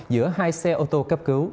giữa hai xe ô tô cắp cứu